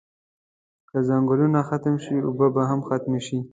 که ځنګلونه ختم شی اوبه به هم ختمی شی